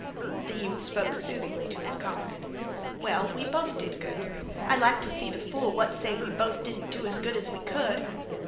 The youth spoke soothingly to his comrade. "Well, we both did good. I'd like to see the fool what'd say we both didn't do as good as we could!"